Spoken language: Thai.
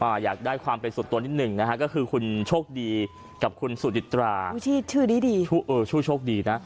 อ่าอยากได้ความเป็นส่วนตัวนิดนึงนะฮะก็คือคุณโชคดีกับคุณสุดิตรา